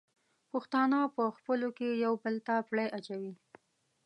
پښتانه په خپلو کې یو بل ته پړی اچوي.